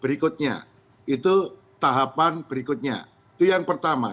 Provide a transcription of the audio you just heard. berikutnya itu tahapan berikutnya itu yang pertama